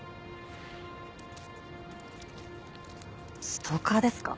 ストーカーですか？